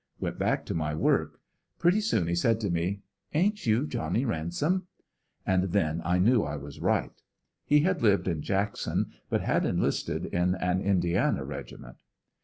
Went back to my work Pretty soon he said to me: "Ain't you Johnny Ransom?" And then I knew I was right. He had lived in Jackson, but had enlisted in an Indiana regiment.